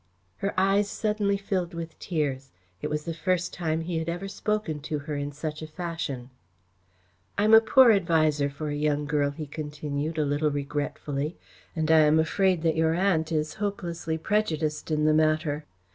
Her eyes suddenly filled with tears. It was the first time he had ever spoken to her in such a fashion. "I am a poor adviser for a young girl," he continued, a little regretfully, "and I am afraid that your aunt is hopelessly prejudiced in the matter.